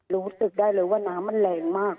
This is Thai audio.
รู้สึกได้เลยว่าน้ำมันแรงมาก